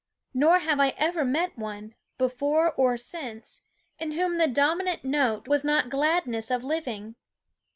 Nor have I ever met one, before or since, in whom the dominant note was not gladness of living.